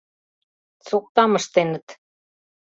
— Соктам ыштеныт...